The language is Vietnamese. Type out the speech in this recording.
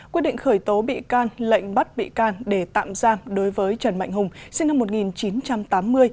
quyết định khởi tố bị can lệnh bắt bị can để tạm giam đối với trần mạnh hùng sinh năm một nghìn chín trăm tám mươi